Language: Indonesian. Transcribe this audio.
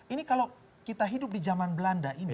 ini kalau kita hidup di zaman belanda ini